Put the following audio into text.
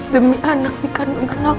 demi anak ikan unggen aku